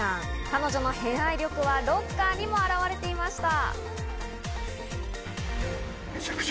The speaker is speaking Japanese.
彼女の偏愛力はロッカーにも表れていました。